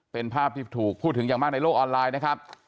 เป็นภาพที่ถูกพูดถึงอย่างมากในโลกออนไลน์นะครับ